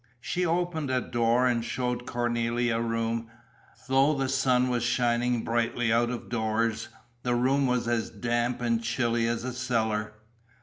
She opened a door and showed Cornélie a room. Though the sun was shining brightly out of doors, the room was as damp and chilly as a cellar.